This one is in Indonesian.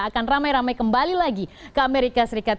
akan ramai ramai kembali lagi ke amerika serikat